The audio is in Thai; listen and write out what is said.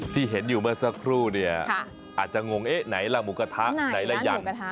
ที่เห็นอยู่เมื่อสักครู่เนี่ยอาจจะงงเอ๊ะไหนล่ะหมูกระทะไหนละอย่าง